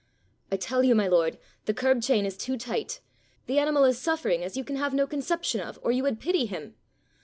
"I tell you, my lord, the curb chain is too tight! The animal is suffering as you can have no conception of, or you would pity him."